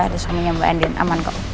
terus suaminya mbak andin aman kok